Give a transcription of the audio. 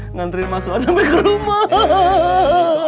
nganterin masuknya sampe ke rumah